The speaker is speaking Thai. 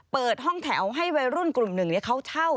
เปิดห้องแถวให้วัยรุ่นกลุ่มหนึ่งเขาเช่า